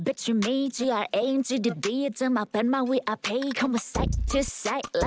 ดิฉันกลัวคุณแจ๊กรีจะคอเคล็ดมากกับการลูกสาวมากสักครู่